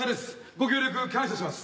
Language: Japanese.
ご協力感謝します。